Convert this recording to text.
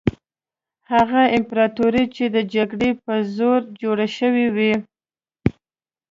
هغه امپراطوري چې د جګړې په زور جوړه شوې وي.